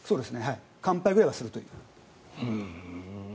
乾杯ぐらいはするという。